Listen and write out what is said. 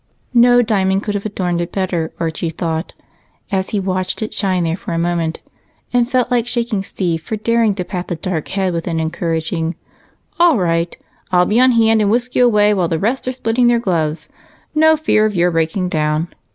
"No diamond could have adorned it better," Archie thought as he watched it shine there for a moment, and felt like shaking Steve for daring to pat the dark head with an encouraging "All right. I'll be on hand and whisk you away while the rest are splitting their gloves. No fear of your breaking down.